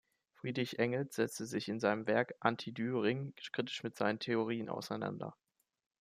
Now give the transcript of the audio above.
Friedrich Engels setzte sich in seinem Werk "Anti-Dühring" kritisch mit seinen Theorien auseinander.